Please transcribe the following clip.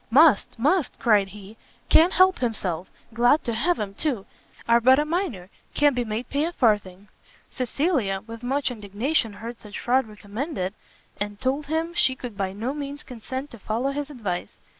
"Must, must," cried he, "can't help himself; glad to have 'em too. Are but a minor, can't be made pay a farthing." Cecilia with much indignation heard such fraud recommended, and told him she could by no means consent to follow his advice.